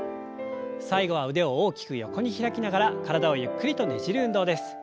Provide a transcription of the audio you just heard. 最後は腕を大きく横に開きながら体をゆっくりとねじる運動です。